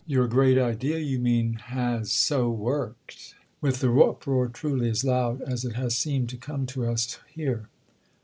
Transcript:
"Your great idea, you mean, has so worked—with the uproar truly as loud as it has seemed to come to us here?"